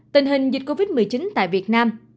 tình hình dịch covid một mươi chín tại việt nam